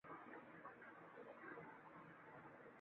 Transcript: শচীশকে বলিলাম, চলো এবার সেই কলিকাতার বাড়িতে।